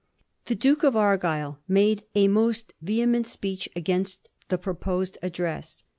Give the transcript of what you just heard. The Duke of Argyle made a most vehement speech against the proposed address.